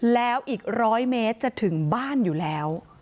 แล้วอีก๑๐๐เมตรจะถึงบ้านอยู่แล้ว